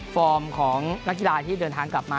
ฟอร์มของนักกีฬาที่เดินทางกลับมา